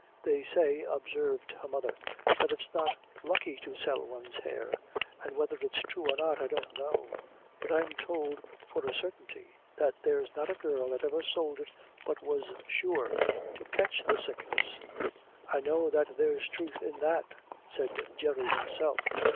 "They say," observed her mother, "that it's not lucky to sell one's hair, and whether it's true or not I don't know; but I'm tould for a sartinty, that there's not a girl that ever sould it but was sure to catch the sickness." "I know that there's truth in that," said Jerry himself.